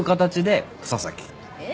えっ？